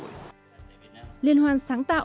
liên hoan sáng tạo